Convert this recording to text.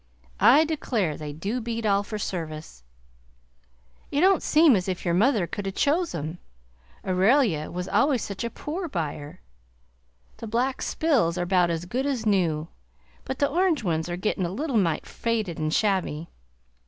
I declare they do beat all for service! It don't seem as if your mother could a' chose em, Aurelia was always such a poor buyer! The black spills are bout as good as new, but the orange ones are gittin' a little mite faded and shabby.